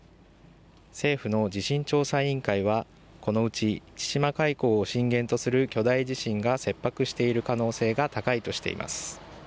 政府の地震調査委員会はこのうち千島海溝を震源とする巨大地震が切迫している可能性が高いとしています。